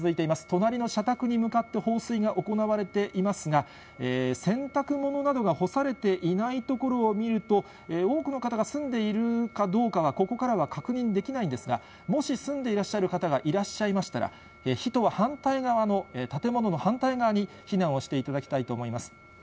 隣の社宅に向かって放水が行われていますが、洗濯物などが干されていないところを見ると、多くの方が住んでいるかどうかは、ここからは確認できないんですが、もし住んでいらっしゃる方がいらっしゃいましたら、火とは反対側の建物の反対側に避難をしていただきたいと思います。